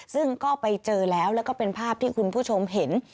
ซึ่งก็ไปเจอแล้วแล้วก็เป็นภาพที่คุณผู้ชมเห็น